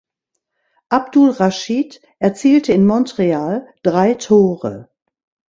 Abdul Rashid erzielte in Montreal drei Tore.